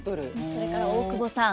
それから大久保さん